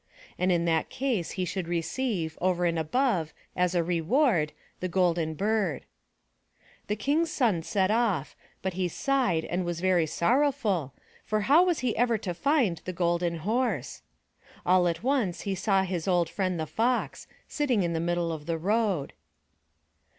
And in that case he should receive, over and above, as a reward, the Golden Bird. The King's son set off, but he sighed and was very sorrowful for how was he ever to find the Golden Horse? All at once, he saw his old friend, the Fox, sitting in the middle of the road.